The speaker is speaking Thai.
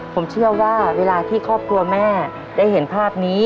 ผมเชื่อว่าเวลาที่ครอบครัวแม่ได้เห็นภาพนี้